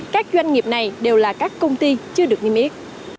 các doanh nghiệp này đều là các công ty chưa được niêm yết